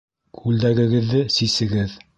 Күлдәгегеҙҙе сисегеҙ!